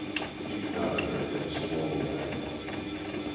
She nodded her head slowly at him.